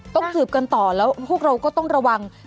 ต้องดอบกันต่อและพวกเราก็ต้องระวัง